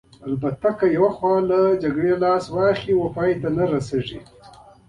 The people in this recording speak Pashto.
البته که یو اړخ له جګړې لاس واخلي، جګړه پای ته نه رسېږي.